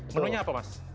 menunya apa mas